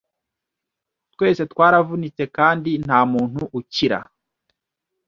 Twese twaravunitse kandi ntamuntu ukira